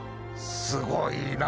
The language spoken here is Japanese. すごいな。